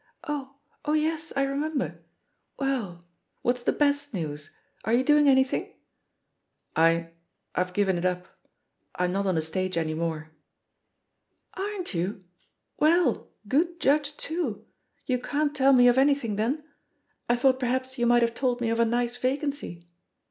"Oh, oh yes, I remember 1 Well, what's the best news? Are you doing anything?" THE POSITION OF PEGGY HARPER 6S I — ^IVe given it up. I'm not on the stage any more." "Aren't you? Well, good judge tool You can't tell me of anything, then? I thought per liaps you might have told me of a nice vacancy.